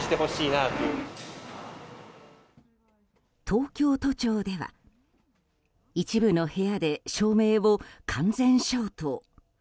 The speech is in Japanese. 東京都庁では一部の部屋で証明を完全消灯。